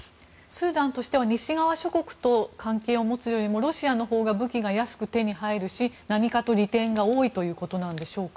スーダンとしては西側諸国と関係を持つよりもロシアのほうが武器が安くてに入るし何かと利点が多いということでしょうか。